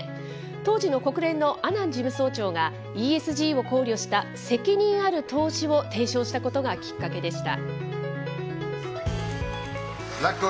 当時の国連のアナン事務総長が、ＥＳＧを考慮した責任ある投資を提唱したことがきっかけでした。